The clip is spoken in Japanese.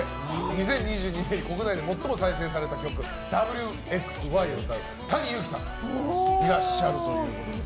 ２０２２年に国内で最も再生された曲「Ｗ／Ｘ／Ｙ」を歌うＴａｎｉＹｕｕｋｉさんがいらっしゃるということで。